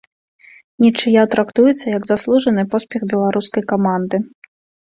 Нічыя трактуецца як заслужаны поспех беларускай каманды.